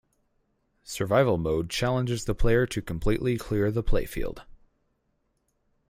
Survival mode challenges the player to completely clear the playfield.